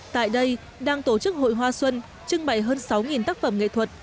tại đây đang tổ chức hội hoa xuân trưng bày hơn sáu tác phẩm nghệ thuật